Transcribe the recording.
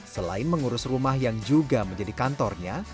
selain mengurus rumah yang juga menjadi kantornya